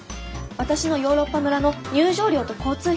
私のヨーロッパ村の入場料と交通費の精算ですが。